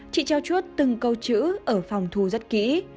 chị trao chuốt từng câu chữ ở phòng thu rất kỹ